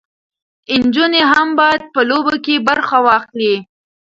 نجونې هم باید په لوبو کې برخه واخلي.